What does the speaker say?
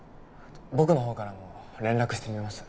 僕のほうからも連絡してみます